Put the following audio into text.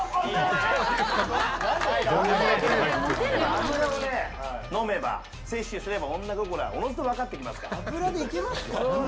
脂を飲めば、摂取すれば女心はおのずと分かってきますから。